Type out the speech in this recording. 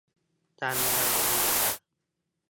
ทำไงดีอ่ะ ?